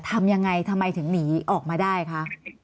ทำยังไงทำไมถึงหนีออกมาได้คะ